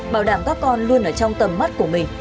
bảo đảm các con luôn ở trong tầm mắt của mình